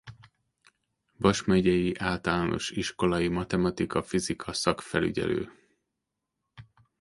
Vas megyei általános iskolai matematika-fizika szakfelügyelő.